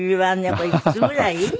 これいくつぐらい？